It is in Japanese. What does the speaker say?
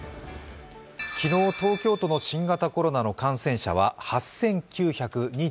昨日、東京都の新型コロナの感染者は８９２５人。